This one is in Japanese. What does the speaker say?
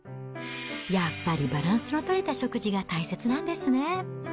やっぱりバランスの取れた食事が大切なんですね。